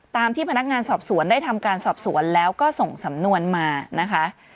ตามที่พนักงานสอบสวนได้ทำการสอบสวนแล้วก็ส่งสำนวนมานะคะ